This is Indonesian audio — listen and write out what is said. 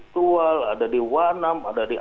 tual ada di wanam ada di